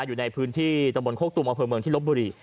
อยู่ในพื้นที่ตะบนโคกตุมอำเภอเมืองที่ลบบุรี